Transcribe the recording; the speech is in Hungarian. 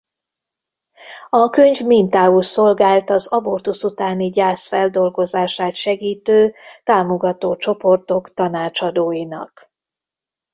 A könyv mintául szolgált az abortusz utáni gyász feldolgozását segítő támogató csoportok tanácsadóinak.